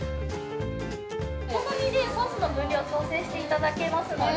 ◆お好みでソースの分量を調整していただけますので。